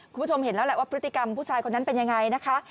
คุณผู้ชมเห็นแล้วแหละว่าพฤติกรรมผู้ชายคนนั้นเป็นยังไงนะคะ